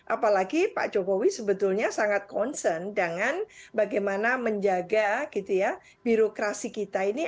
apalagi pak jokowi sebetulnya sangat concern dengan bagaimana menjaga birokrasi kita ini